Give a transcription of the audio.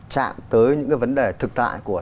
chạm tới những cái vấn đề thực tại của